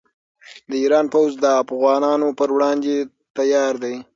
د ایران پوځ د افغانانو پر وړاندې تیار دی.